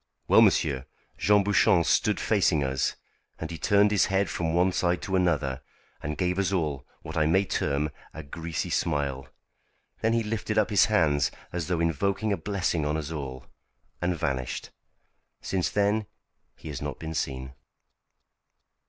Well, monsieur, Jean Bouchon stood facing us, and he turned his head from one side to another, and gave us all what I may term a greasy smile. Then he lifted up his hands as though invoking a blessing on us all, and vanished. Since then he has not been seen."